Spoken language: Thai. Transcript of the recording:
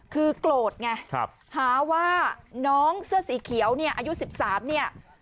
คือโกรธไงหาว่าน้องเสื้อสีเขียวเนี่ยอายุ๑๓เนี่ย